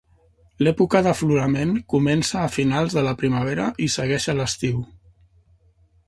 L'època d'aflorament comença a finals de la primavera i segueix a l'estiu.